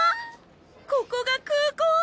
ここが空港！